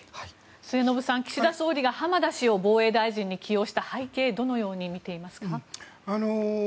末延さん岸田総理が浜田氏を防衛大臣に起用した背景をどのように見ていますか。